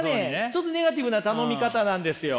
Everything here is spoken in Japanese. ちょっとネガティブな頼み方なんですよ。